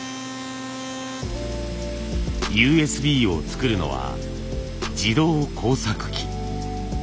ＵＳＢを作るのは自動工作機。